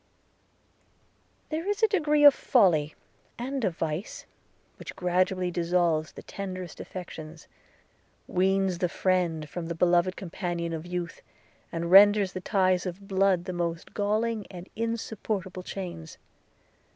There is a degree of folly, and of vice, which gradually dissolves the tenderest affections, weans the friend from the beloved companion of youth, and renders the ties of blood the most galling and insupportable chains.